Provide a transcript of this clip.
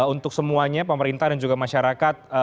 untuk semuanya pemerintah dan juga masyarakat